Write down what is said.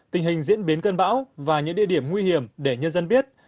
tình hình diễn biến cơn bão và những địa điểm nguy hiểm để nhân dân biết